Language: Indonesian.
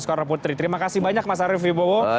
soekarno putri terima kasih banyak mas arief wibowo